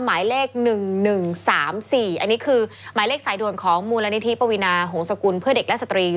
หมายเลข๑๑๓๔อันนี้คือหมายเลขสายด่วนของมูลนิธิปวีนาหงษกุลเพื่อเด็กและสตรี